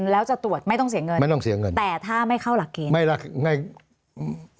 แล้วจะตรวจไม่ต้องเสียเงินไม่ต้องเสียเงินแต่ถ้าไม่เข้าหลักเกณฑ์